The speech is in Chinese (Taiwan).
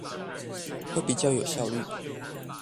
會比較有效率